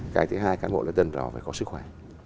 cái thứ hai cán bộ lễ dân đó phải có sức khỏe